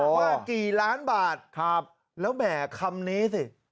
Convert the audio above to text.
ว่ากี่ล้านบาทแล้วแหมคำนี้สิ